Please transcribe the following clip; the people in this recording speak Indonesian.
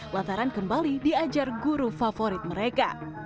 lataran kembali diajar guru favorit mereka